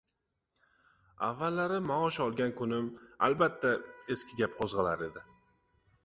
Avvallari maosh olgan kunim albatta «eski gap» qo‘zg‘alar edi.